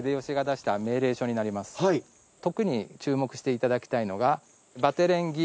特に注目していただきたいのが「バテレン伎